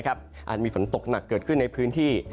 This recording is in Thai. อาจมีฝนตกหนักเกิดขึ้นในพื้นที่